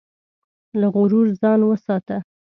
له غرور ځان وساته.